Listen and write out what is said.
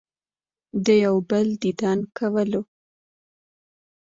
د يو بل ديدن کولو